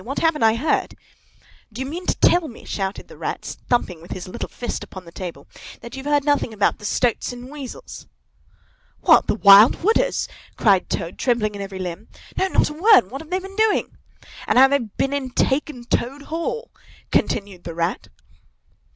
What haven't I heard?" "Do you mean to tell me," shouted the Rat, thumping with his little fist upon the table, "that you've heard nothing about the Stoats and Weasels?" What, the Wild Wooders?" cried Toad, trembling in every limb. "No, not a word! What have they been doing?" "—And how they've been and taken Toad Hall?" continued the Rat.